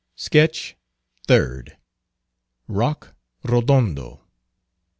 SKETCH THIRD. ROCK RODONDO.